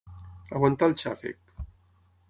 Aguantar el xàfec.